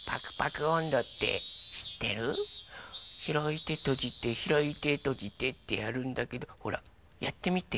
「ひらいてとじてひらいてとじて」ってやるんだけどほらやってみて。